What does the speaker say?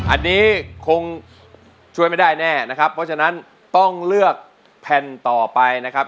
อันนี้คงช่วยไม่ได้แน่นะครับเพราะฉะนั้นต้องเลือกแผ่นต่อไปนะครับ